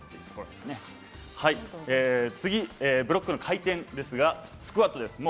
次、ブロックの回転ですが、スクワットです。